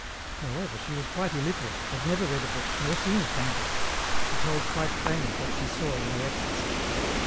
Moreover, she was quite illiterate, had never read a book, nor seen a painting ; she told quite plainly what she saw in her ecstasies.